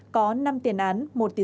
có năm tiền án